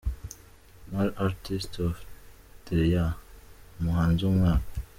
Male Artist of the year: Umuhanzi w’umwaka.